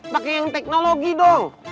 pakai yang teknologi dong